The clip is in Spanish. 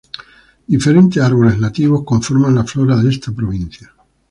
Diferentes árboles nativos conforman la flora de esta provincia.